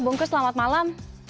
bungkus selamat malam